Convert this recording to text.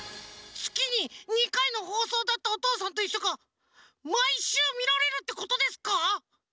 つきに２かいのほうそうだった「おとうさんといっしょ」がまいしゅうみられるってことですか？